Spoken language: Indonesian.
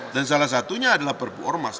dan salah satunya adalah perpu ormas